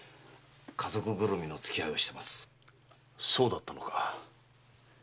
そうだったのか。